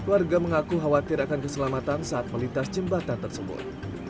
warga mengaku khawatir akan keselamatan saat melintas jembatan tersebut